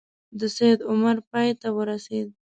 د سید عمر پای ته ورسېد.